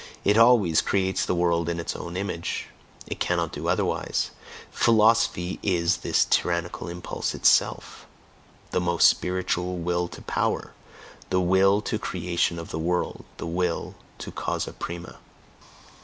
It always creates the world in its own image; it cannot do otherwise; philosophy is this tyrannical impulse itself, the most spiritual Will to Power, the will to "creation of the world," the will to the causa prima.